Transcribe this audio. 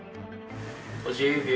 ５０秒。